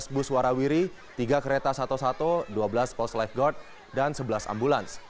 dua belas bus warawiri tiga kereta satu satu dua belas post lifeguard dan sebelas ambulans